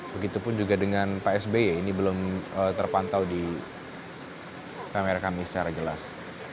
begitupun juga dengan pak sby ini belum terpantau di kamera kami secara jelas